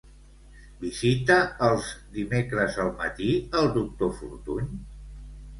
Visita els dimecres al matí el doctor Fortuny?